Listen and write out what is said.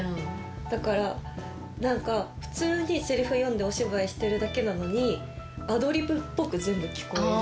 だから何か普通にセリフ読んでお芝居してるだけなのにアドリブっぽく全部聞こえる。